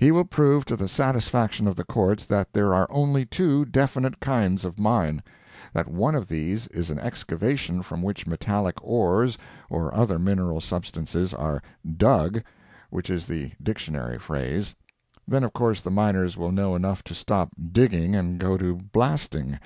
He will prove to the satisfaction of the courts that there are only two definite kinds of mine; that one of these is an excavation from which metallic ores or other mineral substances are "DUG" (which is the dictionary phrase). Then of course, the miners will know enough to stop "digging" and go to blasting.